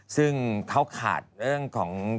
ซึ่งเขาขาดเรื่องของ